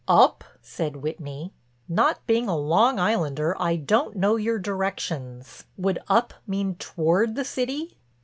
"Up?" said Whitney, "not being a Long Islander I don't know your directions. Would 'up' mean toward the city?"